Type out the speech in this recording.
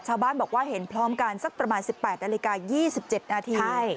ชาวบ้านบอกว่าเห็นพร้อมการสักประมาณสิบแปดนาฬิกายี่สิบเจ็ดนาทีใช่